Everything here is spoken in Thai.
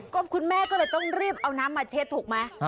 ก็คุณแม่ก็เลยต้องรีบเอาน้ำมาเช็ดถูกไหม